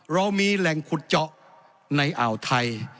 เรามีแหล่งขุดเจาะในอ่าวไทย